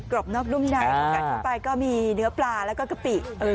กรอบนอกรุ่มได้แล้วกันทั่วไปก็มีเนื้อปลาแล้วก็กะปิ